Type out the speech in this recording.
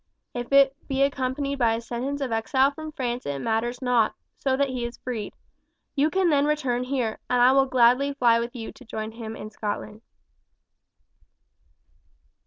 If it be accompanied by a sentence of exile from France it matters not, so that he is freed. You can then return here, and I will gladly fly with you to join him in Scotland."